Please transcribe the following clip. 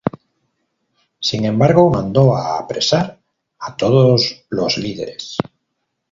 Sin embargo mandó a apresar a todos los líderes.